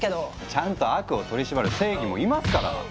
ちゃんと悪を取り締まる正義もいますから。